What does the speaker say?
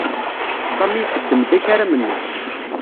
Sami iqeddem-d akaram-nnes.